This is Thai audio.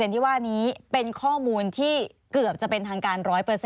ที่ว่านี้เป็นข้อมูลที่เกือบจะเป็นทางการ๑๐๐